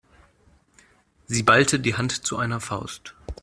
Sie ballte die Hand zu einer Faust.